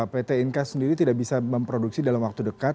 pt inka sendiri tidak bisa memproduksi dalam waktu dekat